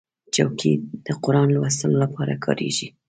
چوکۍ د قرآن لوستلو لپاره کارېږي.